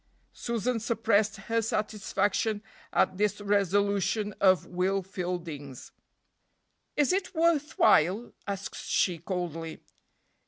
Susan suppressed her satisfaction at this resolution of Will Fielding's. "Is it worth while?" asked she coldly.